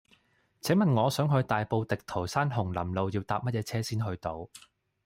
請問我想去大埔滌濤山紅林路要搭乜嘢車先去到